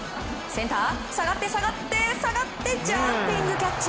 センター、下がって下がってジャンピングキャッチ！